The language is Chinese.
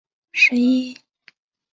以研究中国共产党政治和派系知名。